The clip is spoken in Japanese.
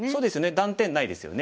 断点ないですよね。